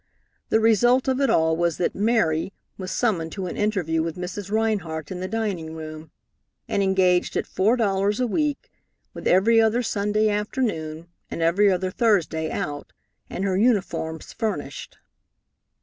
The result of it all was that "Mary" was summoned to an interview with Mrs. Rhinehart in the dining room, and engaged at four dollars a week, with every other Sunday afternoon and every other Thursday out, and her uniforms furnished.